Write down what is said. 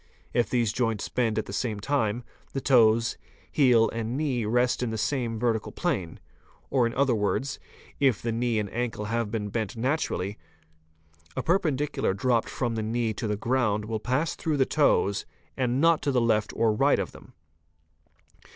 If these joints bend at the same time, the toes, heel, and knee rest in the same vertical plane, or in other words, if the knee and ankle have been bent naturally, a perpen dicular dropped from the knee to the ground will pass through the toes and not to the left or right of them.